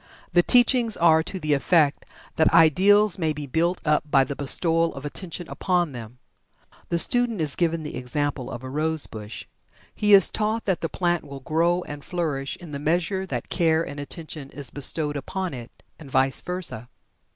The teachings are to the effect that "ideals" may be built up by the bestowal of attention upon them. The student is given the example of a rose bush. He is taught that the plant will grow and flourish in the measure that care and attention is bestowed upon it and vice versa.